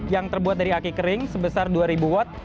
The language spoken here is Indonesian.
yang terbuat dari aki kering sebesar dua ribu watt